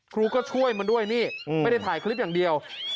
ครูก็ช่วยมันด้วยนี่ไม่ได้ถ่ายคลิปอย่างเดียว